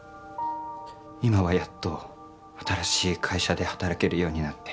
今はやっと新しい会社で働けるようになって。